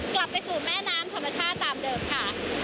กลับไปสู่แม่น้ำธรรมชาติตามเดิมค่ะ